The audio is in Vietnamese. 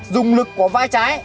dùng lực của vai trái